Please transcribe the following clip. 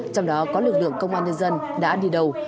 trong đó có lực lượng công an nhân dân đã đi đầu